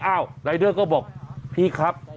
รายเดอร์ก็บอกพี่ครับ